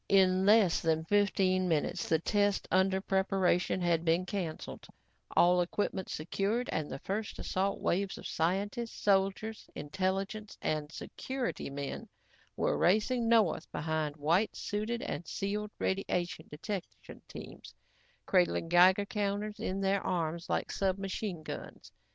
In less than fifteen minutes, the test under preparation had been canceled, all equipment secured and the first assault waves of scientists, soldiers, intelligence and security men were racing north behind white suited and sealed radiation detection teams cradling Geiger counters in their arms like submachine guns.